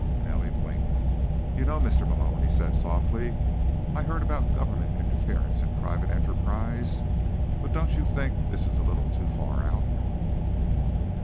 Manelli blinked. "You know, Mr. Malone," he said softly, "I heard about government interference in private enterprise, but don't you think this is a little too far out?"